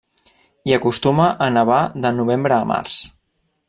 Hi acostuma a nevar de novembre a març.